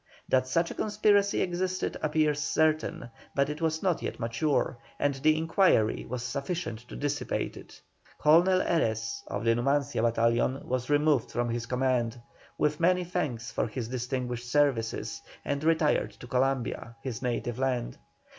That such a conspiracy existed appears certain, but it was not yet mature, and the inquiry was sufficient to dissipate it. Colonel Heres, of the Numancia battalion, was removed from his command, with many thanks for his distinguished services, and retired to Columbia, his native land.